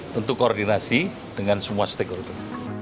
tentu koordinasi dengan semua stakeholder